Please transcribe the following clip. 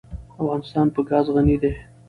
افغانستان په ګاز غني دی.